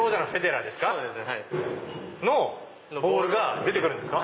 のボールが出て来るんですか？